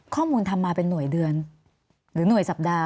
ข้อมูลทำมาเป็นหน่วยเดือนหรือหน่วยสัปดาห